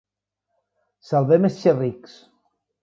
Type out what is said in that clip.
Salvem els xerrics